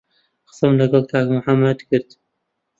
قسەم لەگەڵ کاک محەممەد دەکرد.